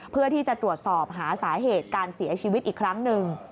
เพื่อที่จะตรวจสอบหาสาเหตุการเสียชีวิตอีกครั้งหนึ่ง